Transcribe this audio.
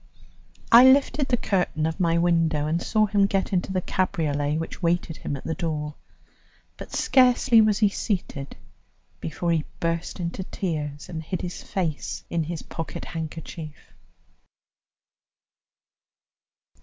I lifted the curtain of my window, and saw him get into the cabriolet which awaited him at the door; but scarcely was he seated before he burst into tears and hid his face in his pocket handkerchief.